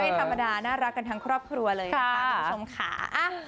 ธรรมดาน่ารักกันทั้งครอบครัวเลยนะคะคุณผู้ชมค่ะ